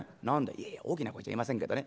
「いえいえ大きな声じゃ言えませんけどね